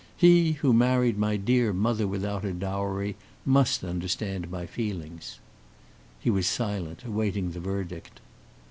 He, who married my dear mother without a dowry, must understand my feelings." He was silent, awaiting the verdict.